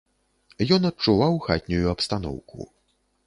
Ён адчуваў хатнюю абстаноўку.